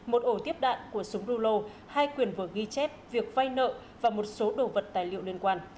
một ổ tiếp đạn của súng rưu lô hai quyền vừa ghi chép việc phai nợ và một số đồ vật tài liệu liên quan